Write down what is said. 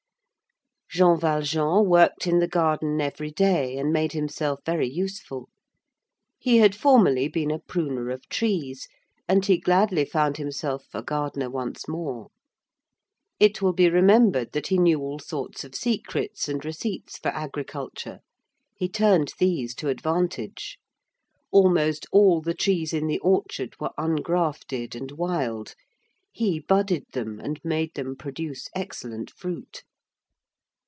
Jean Valjean worked in the garden every day and made himself very useful. He had formerly been a pruner of trees, and he gladly found himself a gardener once more. It will be remembered that he knew all sorts of secrets and receipts for agriculture. He turned these to advantage. Almost all the trees in the orchard were ungrafted, and wild. He budded them and made them produce excellent fruit.